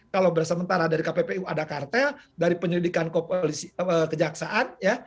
kalau bersementara dari kppu ada kartel dari penyelidikan kejaksaan ya